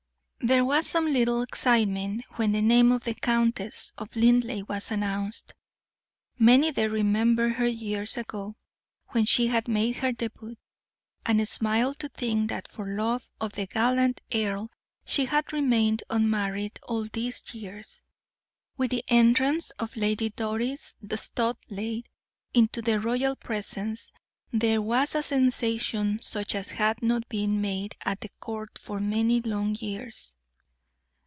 There was some little excitement when the name of the Countess of Linleigh was announced. Many there remembered her years ago, when she had made her debut, and smiled to think that for love of the gallant earl she had remained unmarried all these years. With the entrance of Lady Doris Studleigh into the royal presence, there was a sensation such as had not been made at the court for many long years.